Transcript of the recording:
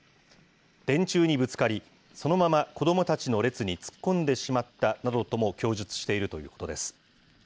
電柱にぶつかり、そのまま子どもたちの列に突っ込んでしまったなどとも供述しているということです。